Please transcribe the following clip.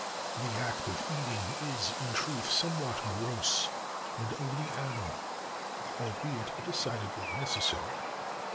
The act of eating is, in truth, somewhat gross, and of the animal; albeit, decidedly necessary.